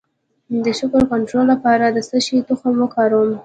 د شکر د کنټرول لپاره د څه شي تخم وکاروم؟